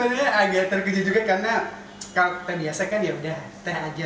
rasanya sebenarnya agak terkejut juga karena kalau teh biasa kan yaudah teh aja